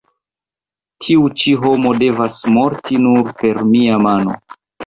Tiu ĉi homo devas morti nur per mia mano.